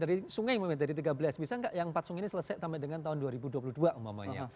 dari sungai dari tiga belas bisa nggak yang empat sungai ini selesai sampai dengan tahun dua ribu dua puluh dua umpamanya